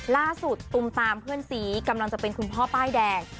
ตุมตามเพื่อนสีกำลังจะเป็นคุณพ่อป้ายแดง